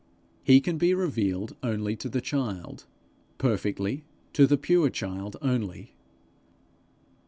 He can be revealed only to the child; perfectly, to the pure child only.